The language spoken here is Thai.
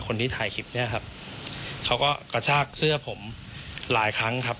คนที่ถ่ายคลิปเนี้ยครับเขาก็กระชากเสื้อผมหลายครั้งครับ